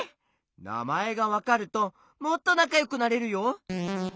なまえがわかるともっとなかよくなれるよ。